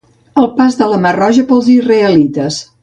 El pas de la mar Roja pels israelites.